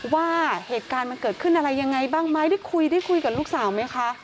ว่าเหตุการณ์มันเกิดขึ้นอะไรยังไงบ้างไหมได้คุยได้คุยกับลูกสาวไหมคะ